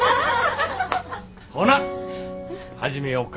ほな始めよか。